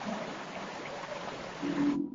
igawaje hakuridhishwa na matokeo ya duru